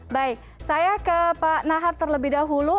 baik saya ke pak nahar terlebih dahulu